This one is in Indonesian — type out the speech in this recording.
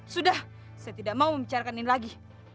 sudah saya tidak mau membicarakan ini lagi